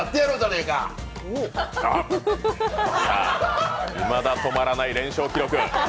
いまだ止まらない連勝記録。